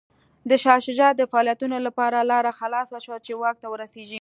د شاه شجاع د فعالیتونو لپاره لاره خلاصه شوه چې واک ته ورسېږي.